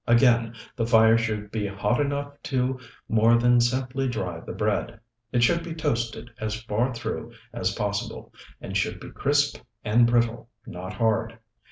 Again, the fire should be hot enough to more than simply dry the bread. It should be toasted as far through as possible, and should be crisp and brittle, not hard.